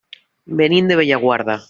Venim de Bellaguarda.